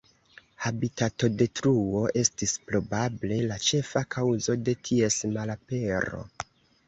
Habitatodetruo estis probable la ĉefa kaŭzo de ties malapero.